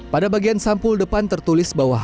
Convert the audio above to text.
pada bagian sampul depan tertulis bahwa